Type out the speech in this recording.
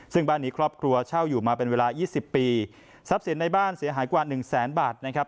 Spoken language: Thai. ซึ่งบ้านนี้ครอบครัวเช่าอยู่มาเป็นเวลายี่สิบปีทรัพย์สินในบ้านเสียหายกว่าหนึ่งแสนบาทนะครับ